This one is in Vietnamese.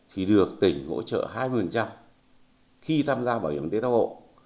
thì được tỉnh hỗ trợ hai mươi khi tham gia bảo hiểm y tế thông hộ